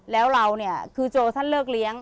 แล้วเราครูโจท่านเลิกเลี้ยง